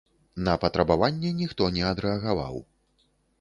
На патрабаванне ніхто не адрэагаваў.